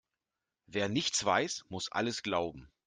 Wer nichts weiß, muss alles glauben.